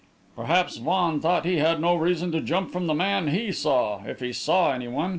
"Perhaps Vaughan thought he had no reason to jump from the man he saw if he saw anyone.